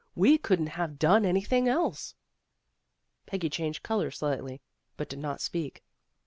We couldn't have done anything else." Peggy changed color slightly, but did not speak.